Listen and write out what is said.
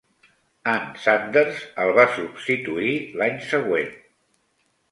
Ann Sanders el va substituir l'any següent.